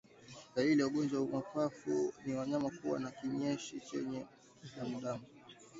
Dalili ya ugonjwa wa mapafu ni mnyama kuwa na kinyesi chenye damudamu